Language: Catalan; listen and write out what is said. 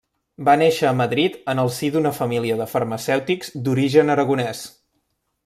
Va néixer a Madrid en el si d'una família de farmacèutics d'origen aragonès.